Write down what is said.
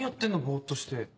ボっとして。